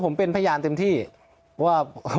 พี่พร้อมทิพย์คิดว่าคุณพิชิตคิดว่าคุณพิชิตคิด